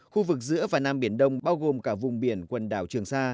khu vực giữa và nam biển đông bao gồm cả vùng biển quần đảo trường sa